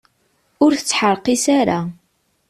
Ur tettḥerqis ara.